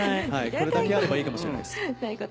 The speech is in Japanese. これだけあればいいかもしれないです。